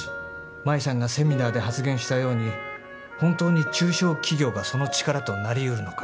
舞さんがセミナーで発言したように本当に中小企業がその力となりうるのか。